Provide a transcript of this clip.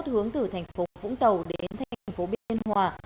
hướng từ thành phố vũng tàu đến thành phố biên hòa